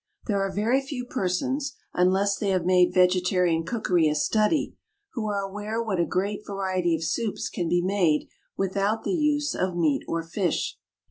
There are very few persons, unless they have made vegetarian cookery a study, who are aware what a great variety of soups can be made without the use of meat or fish.